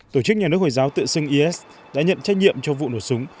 tổ chức nhà nước hồi giáo tự xưng is đã nhận trách nhiệm cho vụ nổ súng